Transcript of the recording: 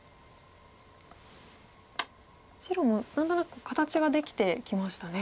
白も何となく形ができてきましたね。